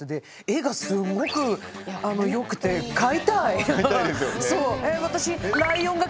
絵がすごく良くて買いたいですよね。